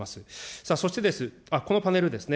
さあそして、このパネルですね。